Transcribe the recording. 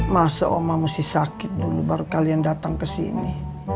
masa oma mesti sakit dulu baru kalian datang kesini